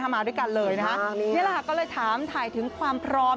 มาด้วยกันเลยนะคะนี่แหละค่ะก็เลยถามถ่ายถึงความพร้อม